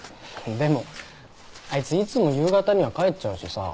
でもあいついつも夕方には帰っちゃうしさ。